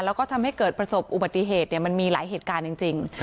แล้วก็ทำให้เกิดประสบอุบัติเหตุมันมีหลายเหตุการณ์จริง